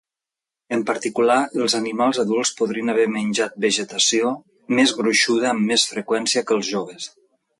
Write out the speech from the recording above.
En particular, els animals adults podrien haver menjat vegetació més gruixuda amb més freqüència que els joves.